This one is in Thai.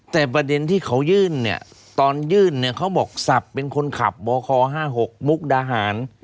แต่ประเด็นที่เขายื่นเนี่ยตอนยื่นเนี่ยเขาบอกศัพท์เป็นคนขับบค๕๖มุกดาหาร